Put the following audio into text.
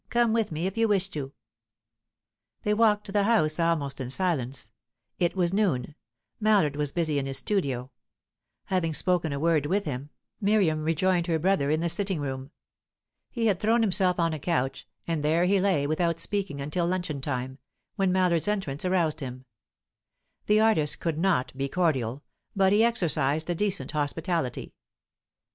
Come with me, if you wish to." They walked to the house almost in silence. It was noon; Mallard was busy in his studio. Having spoken a word with him, Miriam rejoined her brother in the sitting room. He had thrown himself on a couch, and there he lay without speaking until luncheon time, when Mallard's entrance aroused him. The artist could not be cordial, but he exercised a decent hospitality.